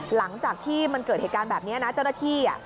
หลังจากที่มันเกิดเหตุการณ์แบบนี้นะเจ้าหน้าที่